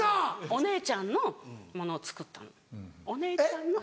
お姉ちゃんのものを作ったの。